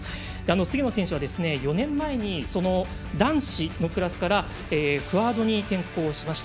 菅野選手は４年前に男子のクラスからクアードに転向しました。